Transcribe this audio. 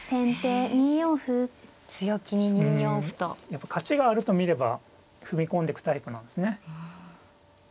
やっぱ勝ちがあると見れば踏み込んでくタイプなんですね。